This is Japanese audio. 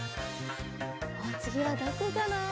つぎはどこかな？